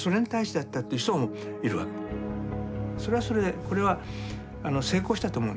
それはそれでこれは成功したと思うんです。